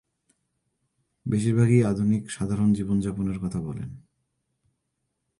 বেশিরভাগই আধুনিক সাধারণ জীবনযাপনের কথা বলেন।